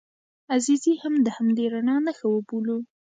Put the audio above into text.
عزیزي هم د همدې رڼا نښه وبولو.